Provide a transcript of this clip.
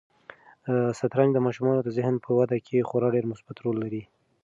شطرنج د ماشومانو د ذهن په وده کې خورا ډېر مثبت رول لري.